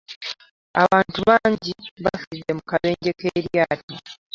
Abantu bangi bafiride mu kabenje k'eryatto.